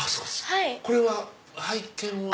これは拝見は。